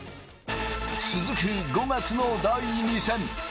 続く、５月の第２戦。